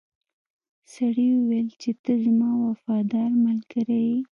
سړي وویل چې ته زما وفادار ملګری یې.